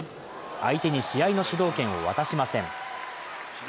相手に試合の主導権を渡しません。